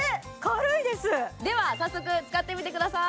では早速使ってみてください